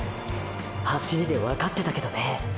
走りでわかってたけどね！